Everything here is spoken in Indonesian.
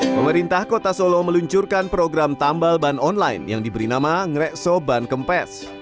pemerintah kota solo meluncurkan program tambal ban online yang diberi nama ngerekso ban kempes